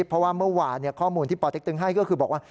เพราะว่าเมื่อวานข้อมูลที่ปเต็กตึงให้ก็คือบอกว่า